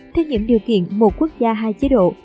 theo những điều kiện một quốc gia hai chế độ